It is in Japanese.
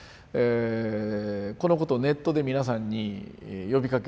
このことをネットで皆さんに呼びかけ